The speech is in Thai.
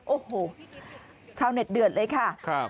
โอ้โหชาวเน็ตเดือดเลยค่ะ